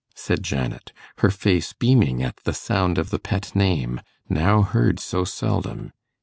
said Janet, her face beaming at the sound of the pet name, now heard so seldom.